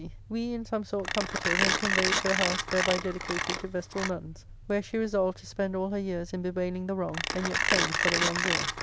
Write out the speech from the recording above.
—Book II, lady Leucippe we in some sort comforted and conveyed to a house thereby dedicated to vestal nuns, where she resolved to spend all her years in bewailing the wrong and yet praying for the wrong doer.